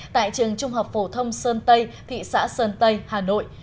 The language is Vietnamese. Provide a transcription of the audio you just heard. tại trường trung học phổ thông sơn tây thị xã sơn tây hà nội